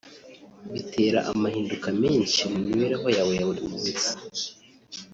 Bitera amahinduka menshi mu mibereho yawe ya buri munsi